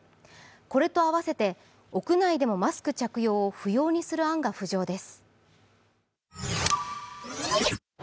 これと合わせて、屋内でもマスク着用を不要にする案が浮上です。